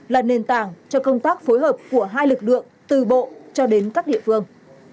là nền tảng cho công tác phối hợp của hai lực lượng từ bộ cho đến các địa phương